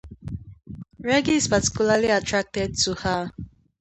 Reggie is particularly attracted to her.